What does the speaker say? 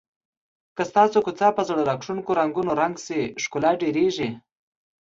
که ستاسو کوڅه په زړه راښکونکو رنګونو رنګ شي ښکلا ډېریږي.